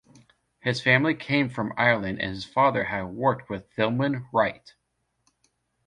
His family came from Ireland and his father had worked with Philemon Wright.